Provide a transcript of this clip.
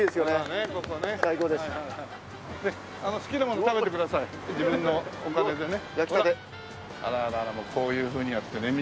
もうこういうふうにやってね。